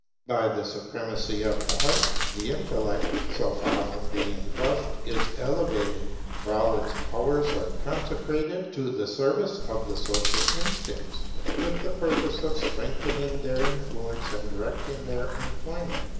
By the supremacy of the Heart, the Intellect, so far from being crushed, is elevated; for all its powers are consecrated to the service of the social instincts, with the purpose of strengthening their influence and directing their employment.